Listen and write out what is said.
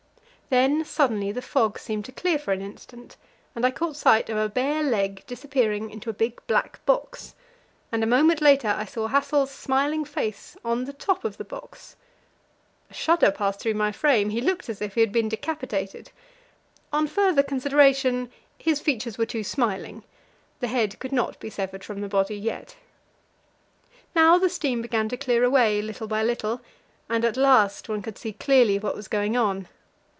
Then suddenly the fog seemed to clear for an instant, and I caught sight of a bare leg disappearing into a big black box, and a moment later I saw Hassel's smiling face on the top of the box. A shudder passed through my frame he looked as if he had been decapitated. On further consideration, his features were too smiling; the head could not be severed from the body yet. Now the steam began to clear away little by little, and at last one could see clearly what was going on.